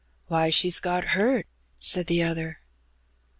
Why, she's got hurt," said the other.